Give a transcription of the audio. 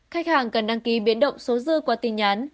khách hàng cần đăng ký biến động số dư qua tin nhắn